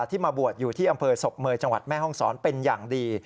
ที่มาบวชอยู่ที่อำเภอศพเมย์จังหวัดแม่ห้องศรเป็นอย่างดี